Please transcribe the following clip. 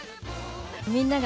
みんなが、